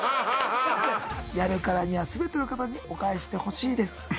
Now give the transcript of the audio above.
「やるからには全ての方にお返ししてほしいです」